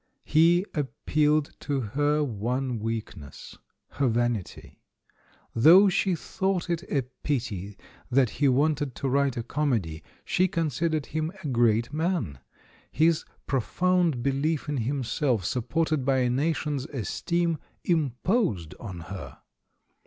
He appealed to her one weakness, her vanity. Though she thought it a pity that he wanted to write a com THE BISHOP'S COMEDY 349 edy, she considered him a great man; his pro found belief in himself, supported by a nation's esteem, imposed on her.